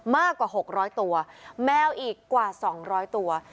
มากกว่า๖๐๐ตัวแมวอีกกว่า๒๐๐ตัว